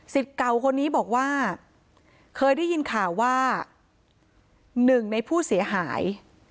เก่าคนนี้บอกว่าเคยได้ยินข่าวว่าหนึ่งในผู้เสียหาย